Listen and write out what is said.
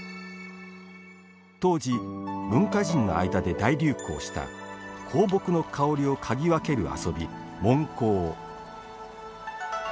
当時、文化人の間で大流行した香木の香りをかぎ分ける遊び聞香。